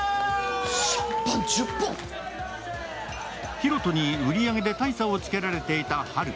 ヒロトに売り上げで大差をつけられていたハル。